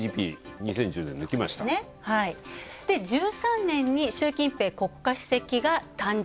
２０１３年に習近平国家主席が誕生。